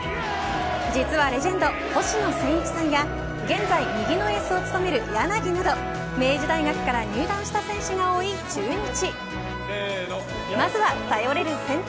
実は、レジェンド星野仙一さんや現在右のエースを務める柳など明治大学から入団した選手が多い中日。